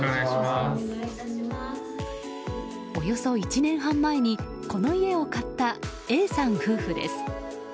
およそ１年半前にこの家を買ったＡさん夫婦です。